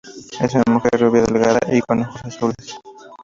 Era una mujer rubia delgada y con ojos azules.